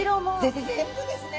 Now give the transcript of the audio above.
ぜぜ全部ですね。